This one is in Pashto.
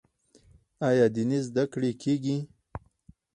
آیا دیني زده کړې کیږي؟